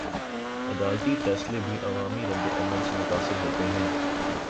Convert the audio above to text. عدالتی فیصلے بھی عوامی ردعمل سے متاثر ہوتے ہیں؟